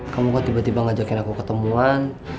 kamu kok tiba tiba ngajakin aku ketemuan